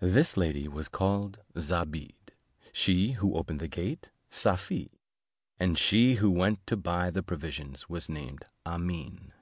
This lady was called Zobeide, she who opened the gate Safie, and she who went to buy the provisions was named Amene.